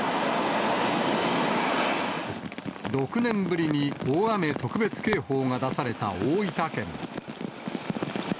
６年ぶりに大雨特別警報が出された大分県。